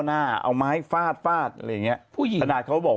หน้าเอาไม้ฟาดฟาดอะไรอย่างเงี้ยผู้หญิงขนาดเขาบอก